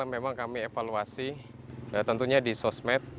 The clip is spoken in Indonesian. memang kami evaluasi tentunya di sosmed